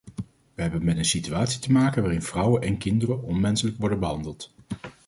Wij hebben met een situatie te maken waarin vrouwen en kinderen onmenselijk worden behandeld.